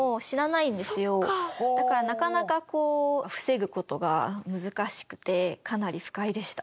だからなかなか防ぐ事が難しくてかなり不快でした。